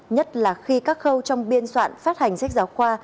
nhất là khi các khâu trong biên soạn phát hành sách giáo khoa